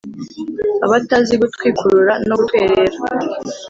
abatazi gutwikurura no gutwerera